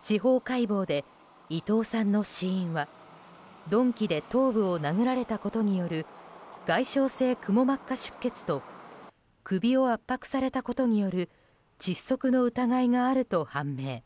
司法解剖で伊藤さんの死因は鈍器で頭部を殴られたことによる外傷性くも膜下出血と首を圧迫されたことによる窒息の疑いがあると判明。